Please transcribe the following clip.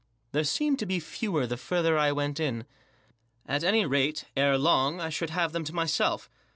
There seemed to be fewer the further I went. At any rate, ere long, I should have them to myself.